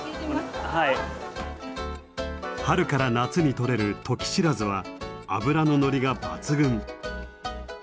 春から夏に取れるトキシラズは脂の乗りが抜群。